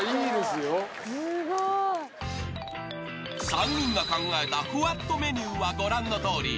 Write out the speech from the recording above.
［３人が考えたふわっとメニューはご覧のとおり］